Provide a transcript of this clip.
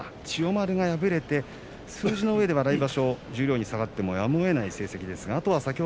千代丸は敗れて数字のうえでは来場所、十両に下がってもやむをえない成績です。